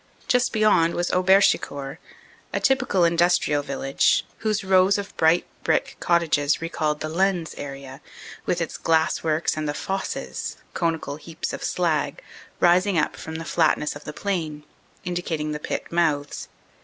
Just beyond was Auberchicourt, a typical industrial village, whose rows of bright brick cottages recalled the Lens area, with its glass works and the "fosses" conical heaps of slag rising up from the flatness of the plain, indicating the pit mouths.